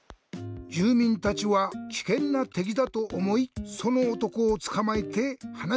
じゅうみんたちはきけんなてきだとおもいそのおとこをつかまえてはなしあった。